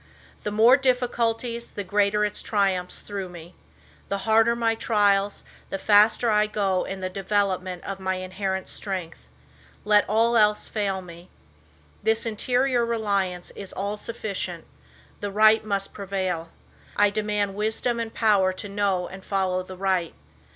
The more difficulties the greater its triumphs through me. The harder my trials, the faster I go in the development of my in herent strength. Let all else fail me. This interior reliance is all sufficient. The right must prevail. I demand wisdom and power to know and follow the right.